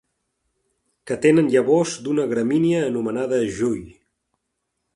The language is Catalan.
Que tenen llavors d'una gramínia anomenada jull.